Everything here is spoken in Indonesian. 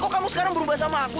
kok kamu sekarang berubah sama aku